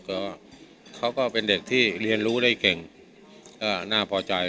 ก็เขาก็เป็นเด็กที่เรียนรู้ได้เก่งก็น่าพอใจ